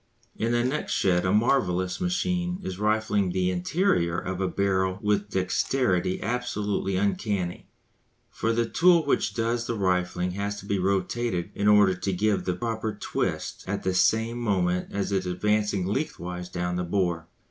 In the next shed a marvellous machine is rifling the interior of a barrel with a dexterity absolutely uncanny, for the tool which does the rifling has to be rotated in order to give the proper "twist" at the same moment as it is advancing lengthwise down the bore.